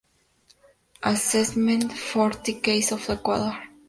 Assessment for the case of Ecuador".